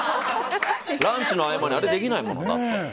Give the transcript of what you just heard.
ランチの合間にあれできないもん。